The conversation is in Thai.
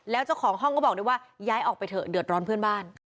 แล้วเจ้าของห้องก็บอกด้วยว่าย้ายออกไปเถอะเดือดร้อนเพื่อนบ้าน